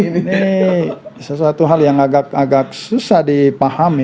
ini sesuatu hal yang agak susah dipahami